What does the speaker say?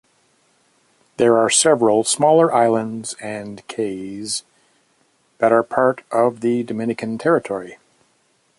There are several smaller islands and cays that are part of the Dominican territory.